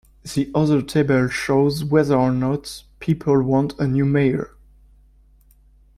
The other table shows whether or not people want a new mayor.